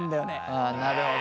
ああなるほどね。